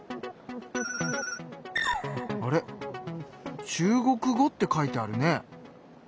あれ「中国語」って書いてあるね？